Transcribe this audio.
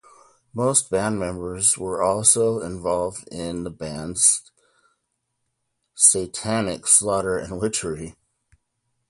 Most band members were also involved in the bands Satanic Slaughter and Witchery.